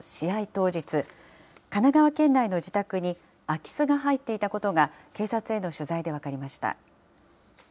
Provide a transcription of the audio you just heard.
当日、神奈川県内の自宅に空き巣が入っていたことが、警察への取材で分かりました。